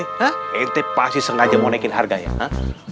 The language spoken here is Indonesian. kamu pasti sengaja mau naikin harganya ya